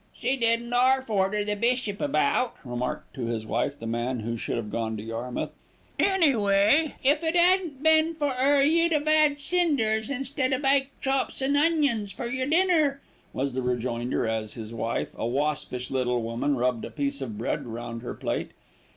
"She didn't 'alf order the bishop about," remarked to his wife the man who should have gone to Yarmouth. "Any way, if it 'adn't been for 'er you'd 'ave 'ad cinders instead o' baked chops and onions for yer dinner," was the rejoinder, as his wife, a waspish little woman, rubbed a piece of bread round her plate.